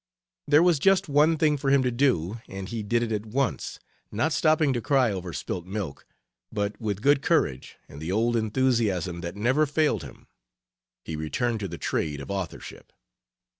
There was just one thing for him to do and he did it at once, not stopping to cry over spilt milk, but with good courage and the old enthusiasm that never failed him, he returned to the trade of authorship.